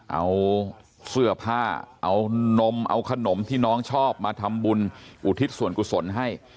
เอาเสื้อผ้าเอานมเอาขนมที่น้องชอบมาทำบุญอุทิศส่วนกุศลให้